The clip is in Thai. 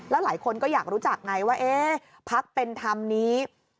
แล้วหลายคนก็อยากรู้จักไงว่าเอ๊ะพักเป็นธรรมนี้